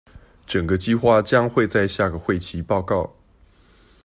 整個計畫將會在下個會期報告